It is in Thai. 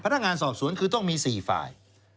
ต้องมี๔ฟาย